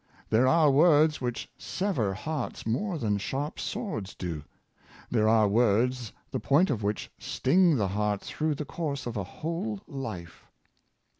There are words which sever hearts more than sharp swords do; there are words the point of which sting the heart through the course of a whole life."